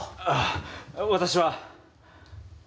ああ私は。